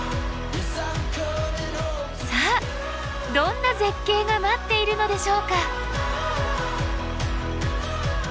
さあどんな絶景が待っているのでしょうか？